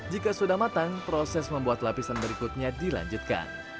jika sudah matang proses membuat lapisan berikutnya dilanjutkan